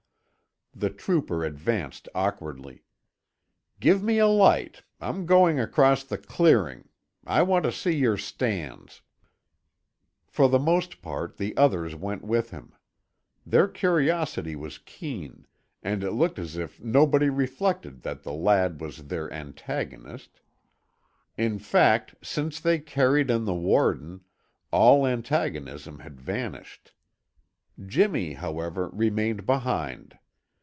The trooper advanced awkwardly. "Give me a light. I'm going across the clearing; I want to see your stands." For the most part, the others went with him. Their curiosity was keen and it looked as if nobody reflected that the lad was their antagonist. In fact, since they carried in the warden, all antagonism had vanished. Jimmy, however, remained behind.